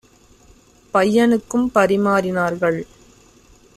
பைய னுக்கும் பரிமாறி னார்கள்.